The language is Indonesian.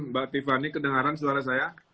mbak tiffany kedengaran suara saya